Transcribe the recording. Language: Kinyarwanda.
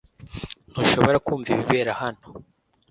Ntushobora kumva ibibera hano?